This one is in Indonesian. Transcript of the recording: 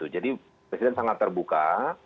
jadi presiden sangat terbuka